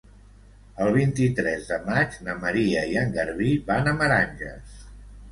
El vint-i-tres de maig na Maria i en Garbí van a Meranges.